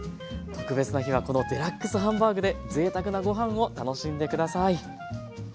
特別な日はこのデラックスハンバーグでぜいたくなご飯を楽しんで下さい。